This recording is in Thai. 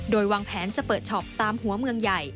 โดยวางแผนจะเปิดช็อปตามหัวเมืองใหญ่